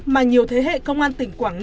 mà nhiều thế hệ công an tỉnh quảng ninh